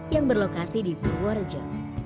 yang berlokasi di purworejo